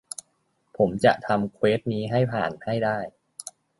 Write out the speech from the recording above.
ผมจะทำเควสต์นี้ให้ผ่านให้ได้